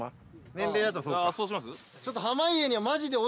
年齢だとそうか・そうします？